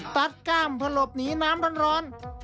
ตัดก้ามพลบหนีน้ำร้อน